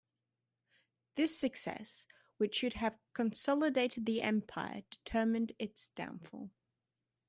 This success, which should have consolidated the Empire, determined its downfall.